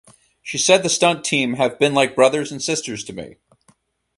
She said the stunt team "have been like brothers and sisters to me".